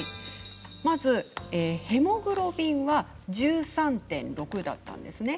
まずヘモグロビンは１３．６だったんですね。